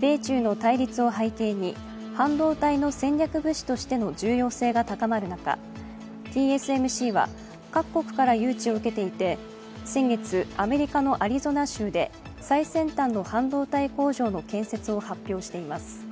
米中の対立を背景に、半導体の戦略物資としての重要性が高まる中、ＴＳＭＣは各国から誘致を受けていて先月、アメリカのアリゾナ州で最先端の半導体工場の建設を発表しています。